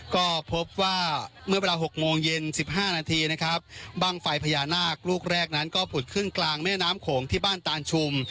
ก็พบว่าเมื่อเวลา๖โมงเย็น๑๕นาทีนะครับบ้างไฟพญานาคลูกแรกนั้นก็ผุดขึ้นกลางแม่น้ำโขงที่บ้านตานชุม